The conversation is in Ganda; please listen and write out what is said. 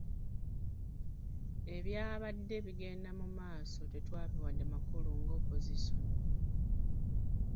Ebyabadde bigenda mu maaso tetwabiwadde makulu nga opozisoni.